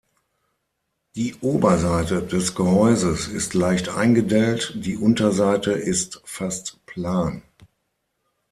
Die Oberseite des Gehäuses ist leicht eingedellt, die Unterseite ist fast plan.